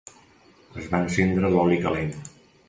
Es va encendre l'oli calent.